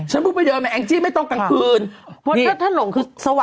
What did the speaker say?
เพิ่งไปเดินมาแองจี้ไม่ต้องกลางคืนเพราะถ้าถ้าหลงคือสว่าง